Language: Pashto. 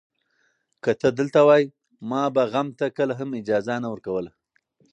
که ته دلته وای، ما به غم ته کله هم اجازه نه ورکوله.